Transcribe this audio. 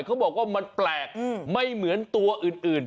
เขาบอกว่ามันแปลกไม่เหมือนตัวอื่น